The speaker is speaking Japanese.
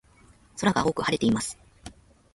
空が青く晴れています。